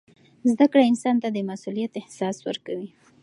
زده کړه انسان ته د مسؤلیت احساس ورکوي.